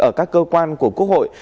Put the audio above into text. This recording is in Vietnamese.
ở các cơ quan của quốc hội